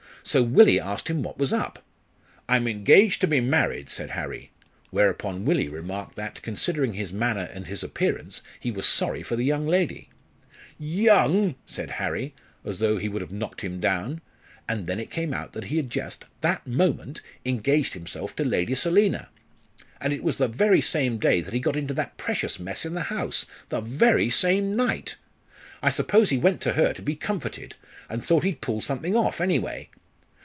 So Willie asked him what was up. 'I'm engaged to be married,' said Harry. Whereupon Willie remarked that, considering his manner and his appearance, he was sorry for the young lady. 'Young!' said Harry as though he would have knocked him down. And then it came out that he had just that moment! engaged himself to Lady Selina. And it was the very same day that he got into that precious mess in the House the very same night! I suppose he went to her to be comforted, and thought he'd pull something off, anyway!